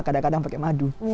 kadang kadang pakai madu